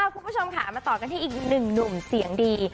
คุณผู้ชมค่ะมาต่อกันที่อีกหนึ่งหนุ่มเสียงดี